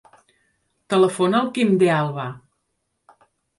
Telefona al Quim De Alba.